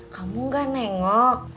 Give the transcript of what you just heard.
kamu gak nengok